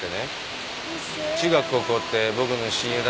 中学高校って僕の親友だった。